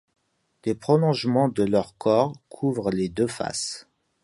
Les prolongements de leurs corps couvrent les deux faces.